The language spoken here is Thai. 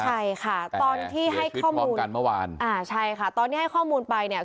ใช่ค่ะตอนที่ให้ข้อมูลใช่ค่ะตอนนี้ให้ข้อมูลไปเนี่ย